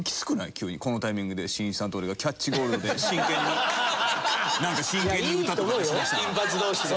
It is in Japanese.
急にこのタイミングでしんいちさんと俺がキャッチゴールドで真剣に真剣に歌とか出しだしたら。